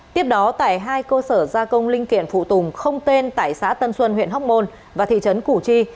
tiếp đó tại hai cơ sở gia công linh kiện phụ tùng không tên tại xã tân xuân huyện hóc môn và thị trấn củ chi